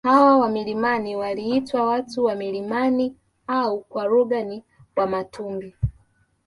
Hawa wa milimani waliitwa watu wa milimani au kwa lugha ni wamatumbi